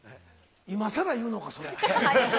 今さら言うのか、それ。